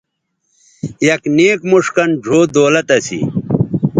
یک نیک موݜ کَن ڙھؤ دولت اسی